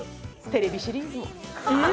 テレビシリーズも。